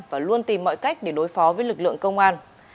và luôn tìm mọi cách để đối phó với lực lượng công an